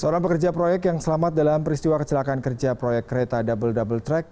seorang pekerja proyek yang selamat dalam peristiwa kecelakaan kerja proyek kereta double double track